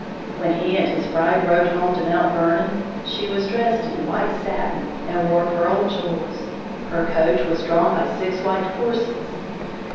When he and his bride rode home to Mount Vernon, she was dressed in white satin and wore pearl jewels. Her coach was drawn by six white horses.